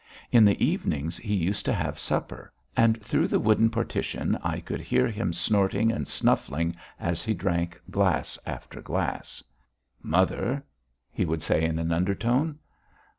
In the evenings he used to have supper, and through the wooden partition I could hear him snorting and snuffling as he drank glass after glass. "Mother," he would say in an undertone.